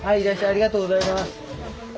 ありがとうございます。